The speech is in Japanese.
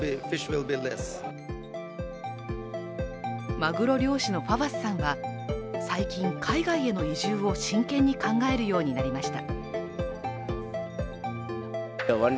まぐろ漁師のファバスさんは最近、海外への移住を真剣に考えるようになりました。